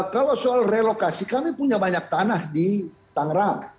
kalau soal relokasi kami punya banyak tanah di tangerang